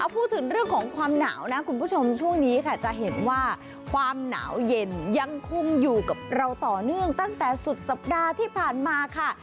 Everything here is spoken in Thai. พูดถึงเรื่องของความหนาวนะคุณผู้ชมช่วงนี้ค่ะจะเห็นว่าความหนาวเย็นยังคงอยู่กับเราต่อเนื่องตั้งแต่สุดสัปดาห์ที่ผ่านมาค่ะ